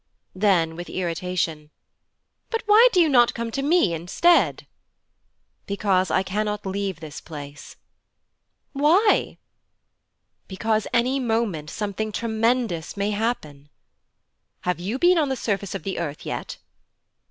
Then with irritation: 'But why do you not come to me instead?' 'Because I cannot leave this place.' 'Why?' 'Because, any moment, something tremendous many happen.' 'Have you been on the surface of the earth yet?'